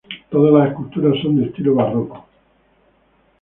Todas las esculturas son de estilo barroco.